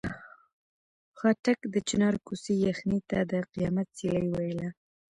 خاټک د چنار کوڅې یخنۍ ته د قیامت سیلۍ ویله.